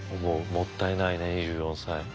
もったいないね２４歳。